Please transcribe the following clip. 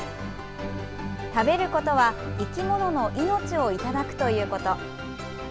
食べることは生き物の命をいただくということ。